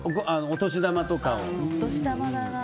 お年玉とかを。